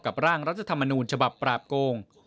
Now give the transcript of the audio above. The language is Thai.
ร่างรัฐธรรมนูญฉบับปราบโกง